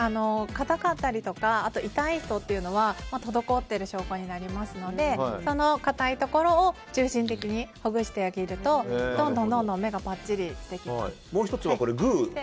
かたかったりとか痛い人っていうのは滞っている証拠ですのでそのかたいところを中心的にほぐしてあげるとどんどん目がパッチリしていきます。